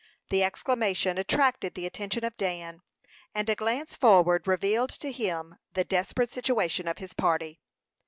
The exclamation attracted the attention of Dan, and a glance forward revealed to him the desperate situation of his party.